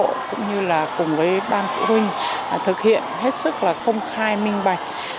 chúng tôi cũng như là cùng với ban phụ huynh thực hiện hết sức là công khai minh bạch